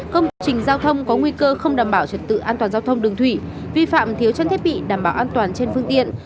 công trình giao thông có nguy cơ không đảm bảo trật tự an toàn giao thông đường thủy vi phạm thiếu trang thiết bị đảm bảo an toàn trên phương tiện